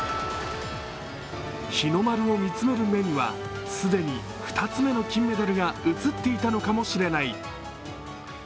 日の丸を見つめる目には既に２つ目の金メダルが映っていたのかもしれない。